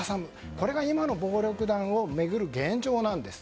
これが今の暴力団を巡る現状なんです。